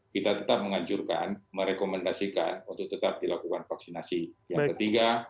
kita tetap menganjurkan merekomendasikan untuk tetap dilakukan vaksinasi yang ketiga